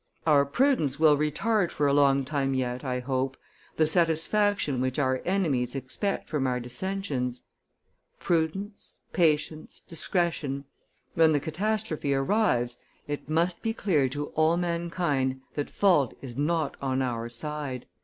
Our prudence will retard for a long time yet, I hope, the satisfaction which our enemies expect from our dissensions. ... Prudence, patience, discretion; when the catastrophe arrives, it must be clear to all mankind that the fault is not on our side."